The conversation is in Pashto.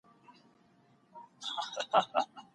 د اوويشتم شپه بايد روڼه کړو .